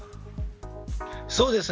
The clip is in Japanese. そうですね。